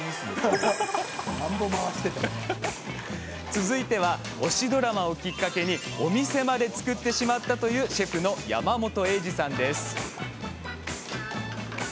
続いては推しドラマをきっかけにお店まで作ってしまったというシェフの山本栄二さんです。